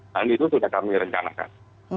dan itu sudah kami rencanakan